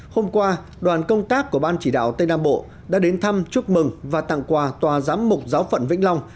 hôm qua đoàn công tác của ban chỉ đạo tây nam bộ đã đến thăm chúc mừng và tặng quà tòa giám mục giáo phận vĩnh long